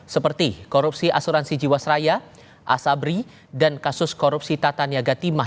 seperti korupsi asuransi jiwasraya asabri dan kasus korupsi tatania gatimah